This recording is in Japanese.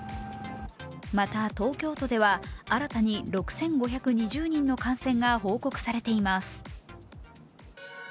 また、東京都では新たに６５２０人の感染が報告されています。